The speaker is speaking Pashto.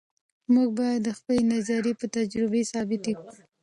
موږ باید خپلې نظریې په تجربه ثابتې کړو.